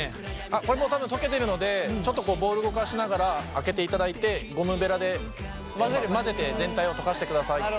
これもう多分溶けてるのでちょっとボウルを動かしながら開けていただいてゴムベラで混ぜて全体を溶かしてください。